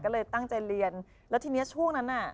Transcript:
ก็เลยตั้งใจเรียนแล้วทีนี้ช่วงนั้นน่ะ